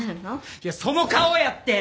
いやその顔やって！